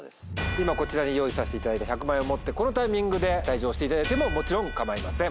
今こちらに用意させていただいた１００万円を持ってこのタイミングで退場していただいてももちろん構いません。